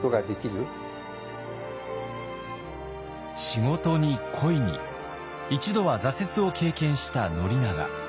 仕事に恋に一度は挫折を経験した宣長。